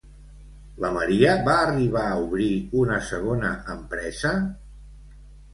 La Maria va arribar a obrir una segona empresa?